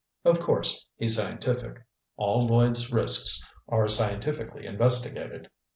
"Of course, he's scientific. All Lloyds' risks are scientifically investigated.